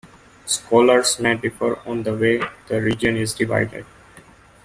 Scholars may differ on the way the region is divided.